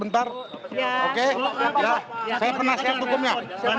dapingan hukum ya